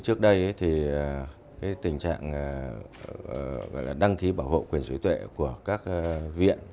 trước đây tình trạng đăng ký bảo hộ quyền trí tuệ của các viện